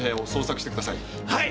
はい！